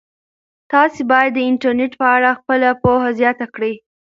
تاسي باید د انټرنيټ په اړه خپله پوهه زیاته کړئ.